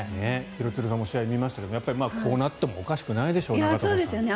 廣津留さんも試合を見ましたが、こうなってもおかしくないですよね。